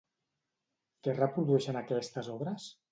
Què reprodueixen aquestes obres?